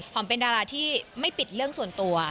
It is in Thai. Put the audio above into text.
เป็นดาราที่ไม่ปิดเรื่องส่วนตัว